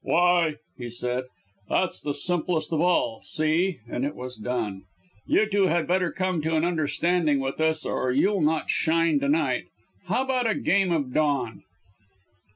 "Why!" he said, "that's the simplest of all! See!" And it was done. "You two had better come to an understanding with us or you'll not shine to night. How about a game of Don?"